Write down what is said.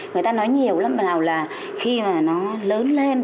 người ta nói nhiều lắm vào là khi mà nó lớn lên